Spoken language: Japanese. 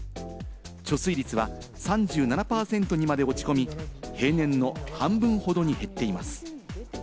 貯水率は３７％にまで落ち込み、平年の半分ほどに減っています。